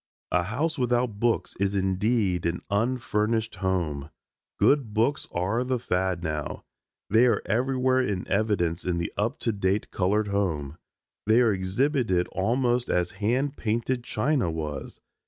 A house without books is indeed an unfurnished home. Good books are the fad now. They are everywhere in evidence in the up to date colored home. They are exhibited almost as hand painted china was.